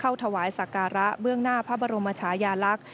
ถวายสักการะเบื้องหน้าพระบรมชายาลักษณ์